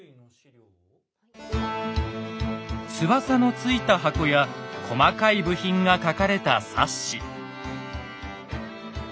翼のついた箱や細かい部品が描かれた冊子。